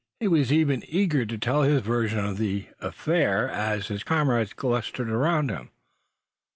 He was even eager to tell his version of the affair, as his comrades clustered around him.